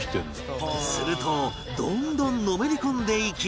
するとどんどんのめり込んでいき